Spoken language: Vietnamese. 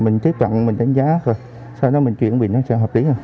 mình tiếp cận mình đánh giá rồi sau đó mình chuyển bị nó sẽ hợp lý